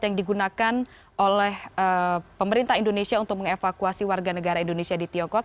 yang digunakan oleh pemerintah indonesia untuk mengevakuasi warga negara indonesia di tiongkok